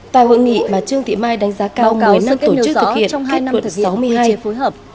tại hội nghị mà trương vĩ mai đánh giá cao một mươi năm tổ chức thực hiện kết luận sáu hai